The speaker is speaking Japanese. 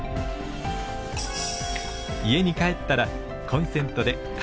家に帰ったらコンセントで簡単に充電。